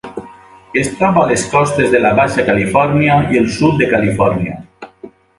Es troba a les costes de la Baixa Califòrnia i el sud de Califòrnia.